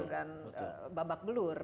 dan babak belur